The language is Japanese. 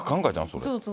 それ。